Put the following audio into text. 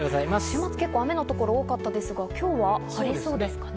昨日は雨の所が多かったですが今日は晴れそうですかね？